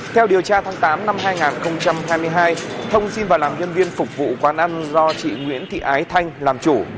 theo điều tra tháng tám năm hai nghìn hai mươi hai thông xin vào làm nhân viên phục vụ quán ăn do chị nguyễn thị ái thanh làm chủ